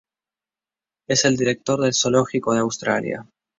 Es el director del Zoológico de Australia.